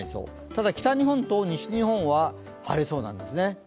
ただ、北日本と西日本は晴れそうなんですね。